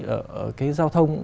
ở cái giao thông